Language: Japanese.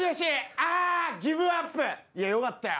いやよかったよ。